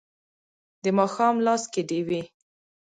د ماښام لاس کې ډیوې